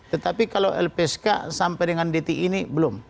tetapi kalau lpsk sampai dengan dt ini belum